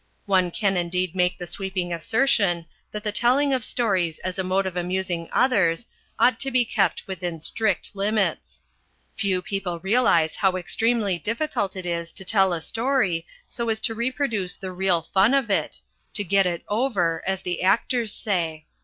One can indeed make the sweeping assertion that the telling of stories as a mode of amusing others ought to be kept within strict limits. Few people realise how extremely difficult it is to tell a story so as to reproduce the real fun of it to "get it over" as the actors say.